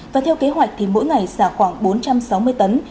và theo kế hoạch thì mỗi ngày xả khoảng bốn trăm sáu mươi tấn